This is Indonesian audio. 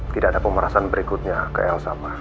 tidak ada pemerasan berikutnya ke elsa